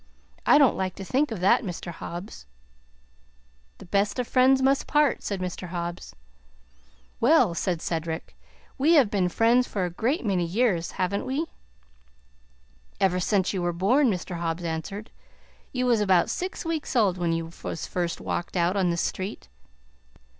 I don't like to think of that, Mr. Hobbs." "The best of friends must part," said Mr. Hobbs. "Well," said Cedric, "we have been friends for a great many years, haven't we?" "Ever since you was born," Mr. Hobbs answered. "You was about six weeks old when you was first walked out on this street."